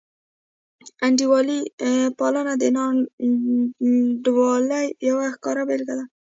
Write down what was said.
انډیوالي پالنه د ناانډولۍ یوه ښکاره بېلګه ده.